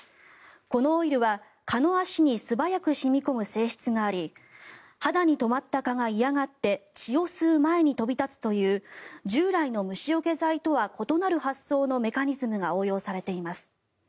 このオイルは蚊の足に素早く染み込む性質があり肌に止まった蚊が嫌がって血を吸う前に飛び立つという従来の虫よけ剤とは異なる発想のメカニズムが応用されています。